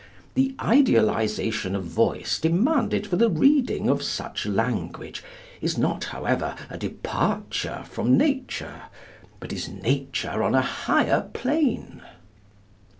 The idealization of voice demanded for the reading of such language, is not, however, a departure from nature, but is nature on a higher plane.